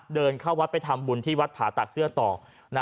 เดินเข้าวัดไปทำบุญที่วัดผาตากเสื้อต่อ